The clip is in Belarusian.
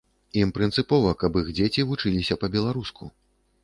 Ім прынцыпова, каб іх дзеці вучыліся па-беларуску.